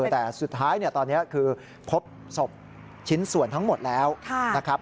แต่สุดท้ายตอนนี้คือพบศพชิ้นส่วนทั้งหมดแล้วนะครับ